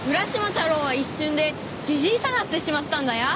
太郎は一瞬でじじいさなってしまったんだや。